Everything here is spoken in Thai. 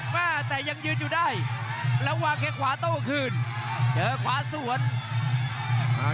แม่แต่ยังยืนอยู่ได้ระหว่างแค่ขวาโต้คืนเจอขวาสวน